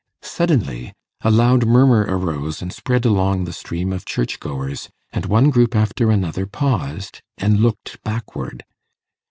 Suddenly a loud murmur arose and spread along the stream of church goers, and one group after another paused and looked backward.